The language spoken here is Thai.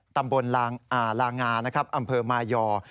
ตำบลลางาอำเภอมายอร์